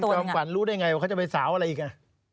แล้วคุณกลางฝั่นรู้ได้ยังไงว่าเขาจะไปสาวอะไรอีกน่ะ